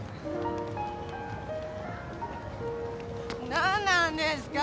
何なんですか？